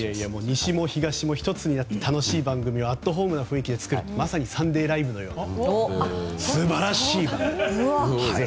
西も東も１つになって楽しい番組をアットホームに作るまさに「サンデーＬＩＶＥ！！」のように。